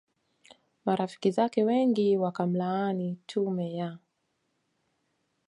marafiki zake wengi wakamlaani tume ya